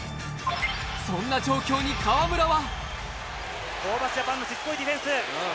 そんな状況に河村は。